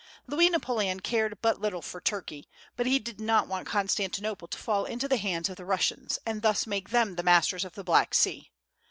Louis Napoleon cared but little for Turkey; but he did not want Constantinople to fall into the hands of the Russians, and thus make them the masters of the Black Sea.